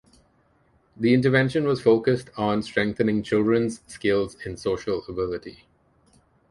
The intervention was focused on strengthening children's skills in social ability.